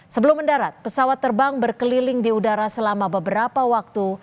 sebelum mendarat pesawat terbang berkeliling di udara selama beberapa waktu